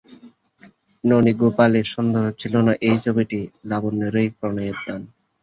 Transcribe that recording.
ননীগোপালের সন্দেহ ছিল না, এই ছবিটি লাবণ্যেরই প্রণয়ের দান।